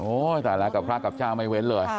แต่แล้วกับพระกับเจ้าไม่เว้นเลย